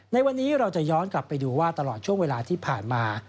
ในวันนี้เราจะย้อนกลับไปดูว่าตลอดช่วงเวลาที่ผ่านมา